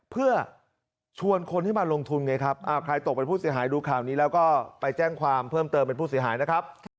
เพื่อชวนคนที่มาลงทุนไงครับใครตกเป็นผู้เสียหายดูข่าวนี้แล้วก็ไปแจ้งความเพิ่มเติมเป็นผู้เสียหายนะครับ